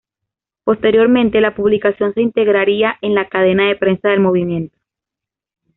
Posteriormente, la publicación se integraría en la Cadena de Prensa del Movimiento.